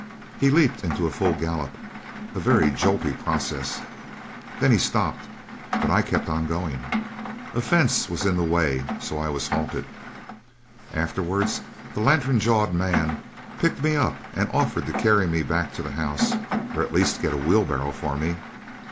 He leaped into a full gallop. A very jolty process. Then he stopped but I kept on going. A fence was in the way, so I was halted. Afterwards the lantern jawed man picked me up and offered to carry me back to the house or at least get a wheelbarrow for me.